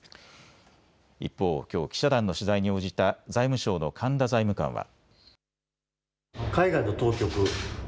一方、きょう記者団の取材に応じた財務省の神田財務官は。